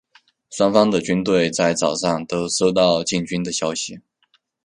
双方的军队在早上都收到进军的消息。